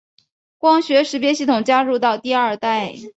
光学识别系统加入到第二代。